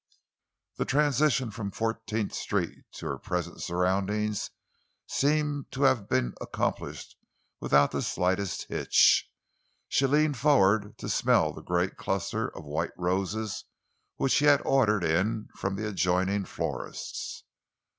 The transition from Fourteenth Street to her present surroundings seemed to have been accomplished without the slightest hitch. She leaned forward to smell the great cluster of white roses which he had ordered in from the adjoining florist's.